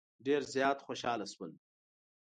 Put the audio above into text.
ډېر زیات خوشال شول.